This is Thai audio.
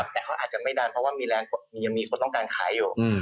แต่เขาอาจจะไม่ดันเพราะว่ายังมีคนต้องการขายอยู่